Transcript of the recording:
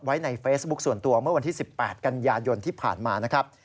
ไว้ในเฟซบุ๊คส่วนตัวเมื่อวันที่๑๘กันยายนที่ผ่านมานะครับ